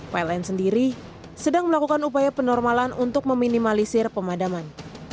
pln sendiri sedang melakukan upaya penormalan untuk meminimalisir pemadaman